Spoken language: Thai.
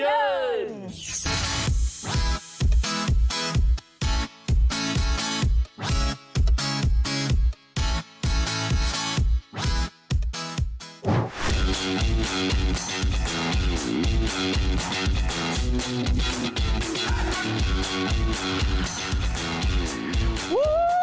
โอ้โห